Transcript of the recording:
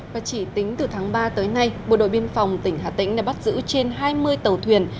và chỉ tính từ tháng ba tới nay bộ đội biên phòng tỉnh hà tĩnh đã bắt giữ trên hai mươi tàu thuyền